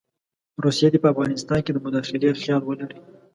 روسیه دې په افغانستان کې د مداخلې خیال ولري.